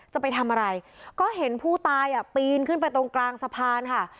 จะไปทำอะไรก็เห็นผู้ตายอ่ะปีนขึ้นไปตรงกลางสะพานค่ะ